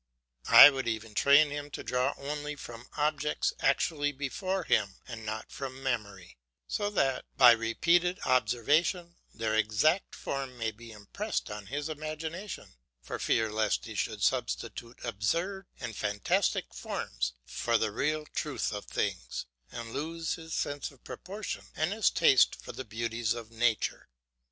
I would even train him to draw only from objects actually before him and not from memory, so that, by repeated observation, their exact form may be impressed on his imagination, for fear lest he should substitute absurd and fantastic forms for the real truth of things, and lose his sense of proportion and his taste for the beauties of nature.